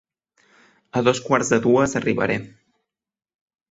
A dos quarts de dues arribaré.